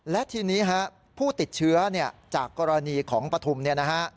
และทีนี้ฮะผู้ติดเชื้อจากกรณีของปฐุมเนี่ยนะฮะ